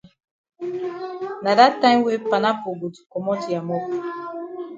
Na dat time wey panapo go di komot ya mop.